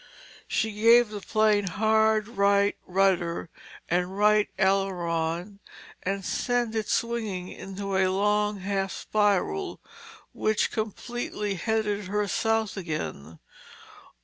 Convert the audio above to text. She gave the plane hard right rudder and right aileron and sent it swinging into a long half spiral, which, completed, headed her south again.